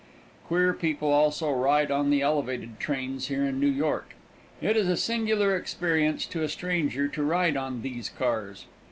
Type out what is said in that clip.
Queer people also ride on the elevated trains here in New York. It is a singular experience to a stranger to ride on these cars.